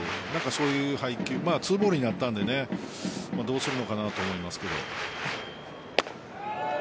そういう配球２ボールになったのでどうするのかなと思いますけど。